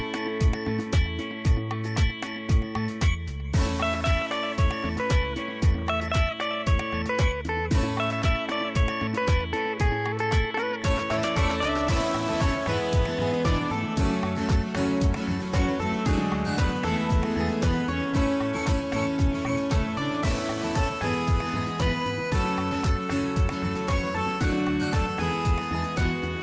โปรดติดตามประกาศเตือนภัยจากทางรักษาสุขภัย